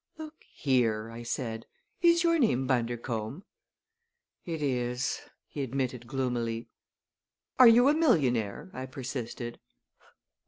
"Look here," I said, "is your name Bundercombe?" "It is," he admitted gloomily. "Are you a millionaire?" I persisted.